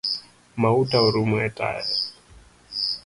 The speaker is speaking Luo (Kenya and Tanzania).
Mauta orumo te etaya